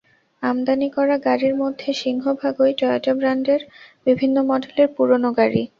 আমদানি করা গাড়ির মধ্যে সিংহভাগই টয়োটা ব্র্যান্ডের বিভিন্ন মডেলের পুরোনো গাড়ি।